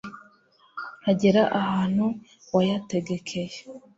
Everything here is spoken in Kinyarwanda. Agera ahantu wayategekeye